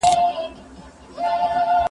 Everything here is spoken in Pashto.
که پوهه نه وي ژوند سخت وي.